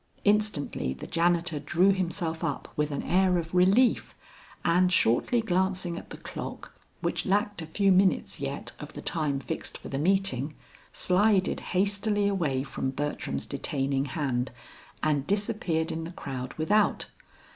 Instantly the janitor drew himself up with an air of relief, and shortly glancing at the clock which lacked a few minutes yet of the time fixed for the meeting, slided hastily away from Bertram's detaining hand, and disappeared in the crowd without.